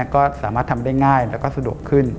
ก็สามารถทำได้ง่ายแล้วก็สะดวกขึ้น